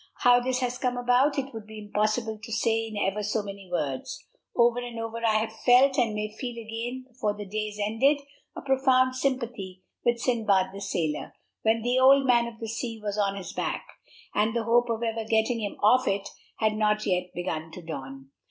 How this has come about, it would be impossible to say in ever so many words. Over and over I have felt, and may feel again before the day is ended, a profound sympathy with Sindbad the sailor, when the Old Man of the Sea was on his back, and the hope of ever getting him off it had not yet begun to dawn.